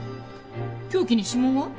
凶器に指紋は？